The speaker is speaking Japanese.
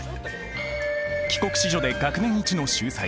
帰国子女で学年一の秀才。